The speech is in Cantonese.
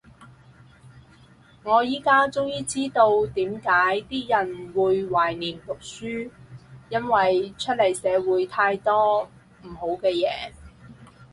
我依家終於知道點解啲人會懷念讀書，因為出嚟社會太多唔好嘅嘢